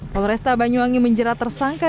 polresta banyuwangi menjelaskan tersangka